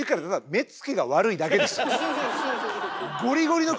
目つきが悪いだけです。